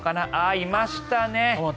あ、いましたね。